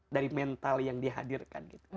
dari mental yang dihadirkan